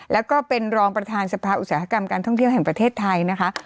แล้วก็เป็นรองประธานสภาอุตสาหกรรมการท่องเที่ยวแห่งประเทศไทยนะคะ